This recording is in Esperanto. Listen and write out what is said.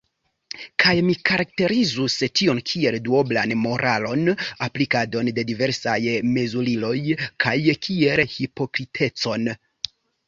Kaj mi karakterizus tion kiel duoblan moralon, aplikadon de diversaj mezuriloj kaj kiel hipokritecon.